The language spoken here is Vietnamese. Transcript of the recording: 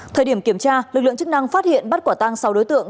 thời điểm kiểm tra lực lượng chức năng phát hiện bắt quả tăng sáu đối tượng